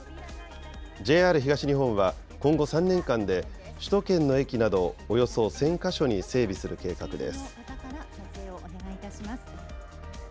ＪＲ東日本は今後３年間で首都圏の駅などおよそ１０００か所に整備する計画です。